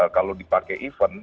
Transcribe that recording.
kalau dipakai event